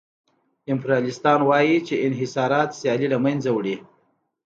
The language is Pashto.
امپریالیستان وايي چې انحصارات سیالي له منځه وړي